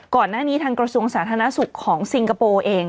ก่อนหน้านี้ทางกระทรวงสาธารณสุขของซิงคโปร์เอง